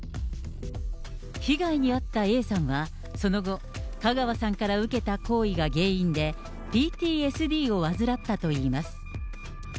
被害に遭ったＡさんは、その後、香川さんから受けた行為が原因で、ＰＴＳＤを患ったといいます。